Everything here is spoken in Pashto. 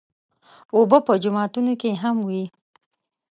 اوبه په جوماتونو کې هم وي.